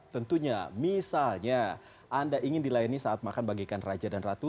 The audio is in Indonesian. tentunya misalnya anda ingin dilayani saat makan bagaikan raja dan ratu